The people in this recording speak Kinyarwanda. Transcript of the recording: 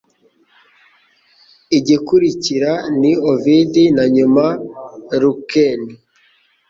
igikurikira ni Ovid na nyuma Lucain